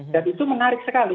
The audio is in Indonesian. dan itu menarik sekali